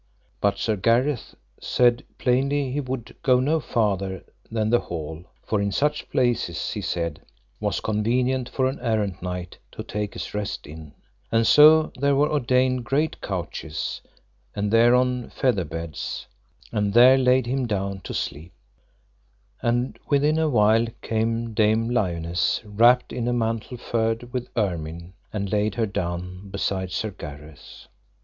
But Sir Gareth said plainly he would go no farther than the hall, for in such places, he said, was convenient for an errant knight to take his rest in; and so there were ordained great couches, and thereon feather beds, and there laid him down to sleep; and within a while came Dame Lionesse, wrapped in a mantle furred with ermine, and laid her down beside Sir Gareth.